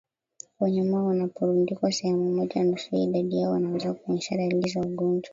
Wanyama wanaporundikwa sehemu moja nusu ya idadi yao wanaweza kuonyesha dalili za ugonjwa